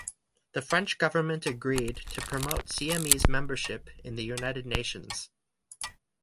The French government agreed to promote Siamese membership in the United Nations.